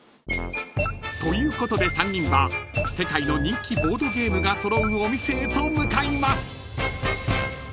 ［ということで３人は世界の人気ボードゲームが揃うお店へと向かいます］